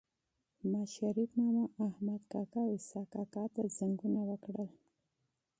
ما شريف ماما احمد کاکا او اسحق کاکا ته ټيليفونونه وکړل